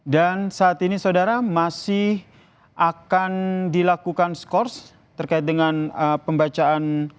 dan saat ini saudara masih akan dilakukan skors terkait dengan pembacaan